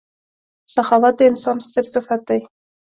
• سخاوت د انسان ستر صفت دی.